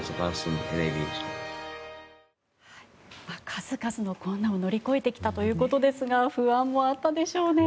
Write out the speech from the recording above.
数々の困難を乗り越えてきたということですが不安もあったでしょうね。